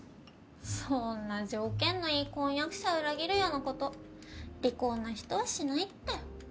そんな条件のいい婚約者裏切るようなこと利口な人はしないって。